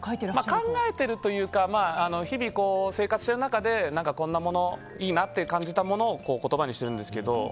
考えているというか日々生活してる中でこんなものいいなと感じたものを言葉にしてるんですけど。